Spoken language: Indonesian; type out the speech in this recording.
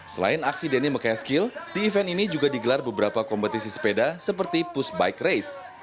selain aksi denny mekaya skill di event ini juga digelar beberapa kompetisi sepeda seperti pushbike race